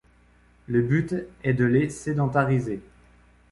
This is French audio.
Le but est de les sédentariser.